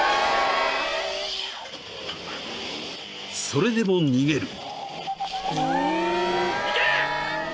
［それでも逃げる］